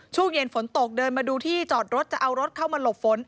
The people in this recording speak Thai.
ช่วงเย็นฝนตกเดินมาดูที่จอดรถจะเอารถเข้ามาหลบฝน